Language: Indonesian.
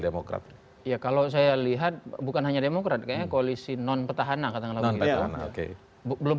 demokrat ya kalau saya lihat bukan hanya demokrat kayaknya koalisi non petahana katakanlah begitu oke belum